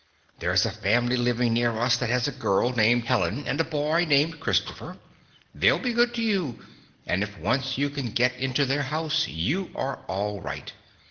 There is a family living near us that has a girl named Helen and a boy named Christopher. They 'll be good to you, and if once you can get into their house you are all right.